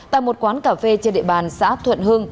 tại một quán cà phê trên địa bàn xã thuận hưng